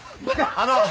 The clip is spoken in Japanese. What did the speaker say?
あの。